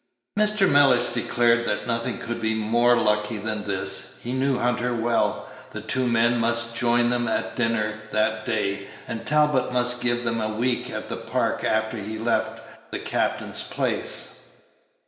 Mr. Mellish declared that nothing could be more lucky than this. He knew Hunter well; the two men must join them at dinner that day! and Talbot must give them a week at the Park after he left the captain's place.